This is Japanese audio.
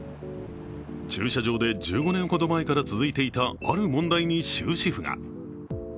駐車場で１５年ほど前から続いていたある問題に終止符が。